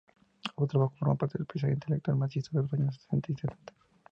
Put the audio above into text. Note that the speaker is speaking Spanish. Su trabajo forma parte del paisaje intelectual marxista de los años sesenta y setenta.